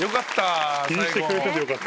気にしてくれててよかった。